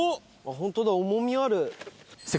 ホントだ重みある。